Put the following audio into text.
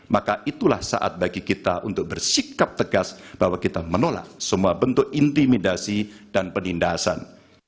maka itulah saat bagi kita untuk bersikap tegas bahwa kita menolak semua bentuk intimidasi dan penindasan